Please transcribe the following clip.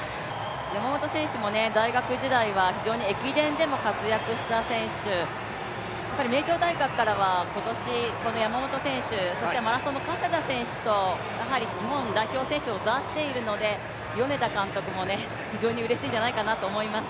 山本選手も大学時代は駅伝でも活躍した選手、名城大学からは今年、山本選手、マラソンの加世田選手と、やはり日本代表選手を出しているので監督も非常にうれしいと思います。